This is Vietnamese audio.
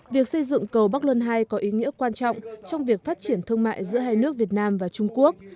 việc xây dựng cầu bắc luân hai có ý nghĩa quan trọng trong việc phát triển thương mại giữa hai nước việt nam và trung quốc